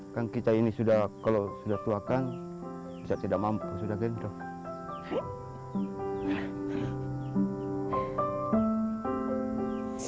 kan kita ini sudah kalau sudah tua kan bisa tidak mampu sudah gendong